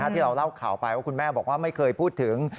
ที่เราเล่าข่าวไปว่าคุณแม่บอกว่าไม่เคยพูดถึง